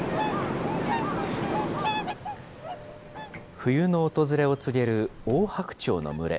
冬の訪れを告げるオオハクチョウの群れ。